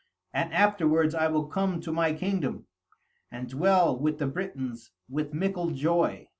And afterwards I will come to my kingdom, and dwell with the Britons with mickle joy.'